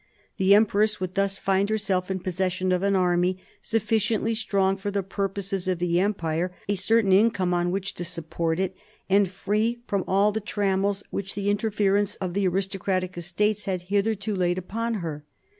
The empress would thus find herself in possession of an army sufficiently strong for . the purposes of the Empire, a certain income on which . to support it, and free from all the trammels which the 1 interference of the aristocratic Estates had hitherto laid upon her.